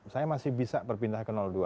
saya masih bisa berpindah ke dua